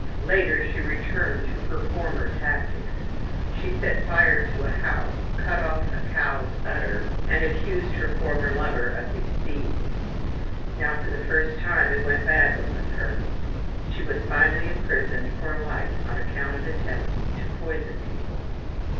Later she returned to her former tactics, she set fire to a house, cut off a cow's udder, and accused her former lover of these deeds. Now for the first time it went badly with her. She was finally imprisoned for life on account of attempts to poison people.